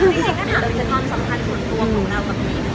นี่คือการถามความสำคัญส่วนตัวของเราแบบนี้นะครับ